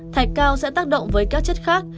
thạch cao sẽ tác động với các chất khác